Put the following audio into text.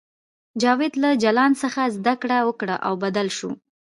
جاوید له جلان څخه زده کړه وکړه او بدل شو